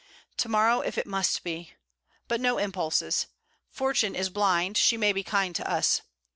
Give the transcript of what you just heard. To morrow, if it must be. But no impulses. Fortune is blind; she may be kind to us.